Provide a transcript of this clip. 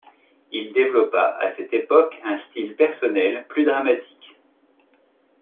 Il développa à cette époque un style personnel, plus dramatique.